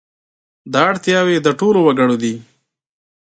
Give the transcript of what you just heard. دا اړتیاوې د ټولو وګړو دي.